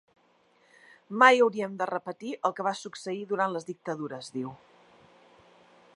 Mai hauríem de repetir el que va succeir durant les dictadures, diu.